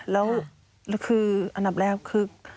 แล้วคืออันดับแรกคือ